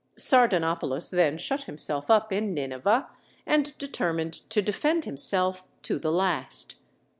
Sardanapalus then shut himself up in Nineveh, and determined to defend himself to the last.